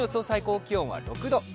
最高気温は６度。